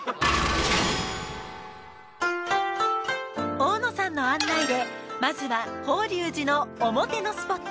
大野さんの案内でまずは法隆寺のオモテのスポット